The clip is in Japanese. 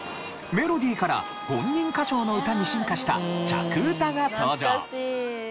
メロディーから本人歌唱の歌に進化した着うたが登場。